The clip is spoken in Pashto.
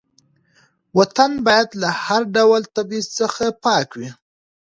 وطن باید له هر ډول تبعیض څخه پاک وي.